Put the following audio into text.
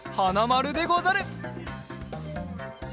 まるでござる！